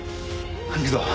行くぞ。